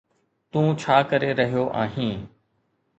تون ڇا ڪري رهيو آهين؟